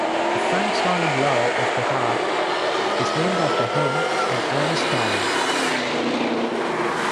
The Frank-Starling law of the heart is named after him and Ernest Starling.